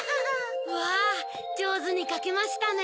うわじょうずにかけましたね。